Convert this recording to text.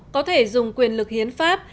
có thể dùng quyền lực hiến pháp